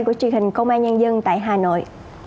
của truyền hình công an nhân dân tại hà nội